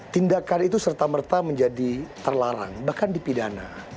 tindakan itu serta merta menjadi terlarang bahkan dipidana